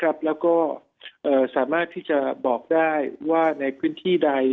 แล้วก็สามารถที่จะบอกได้ว่าในพื้นที่ใด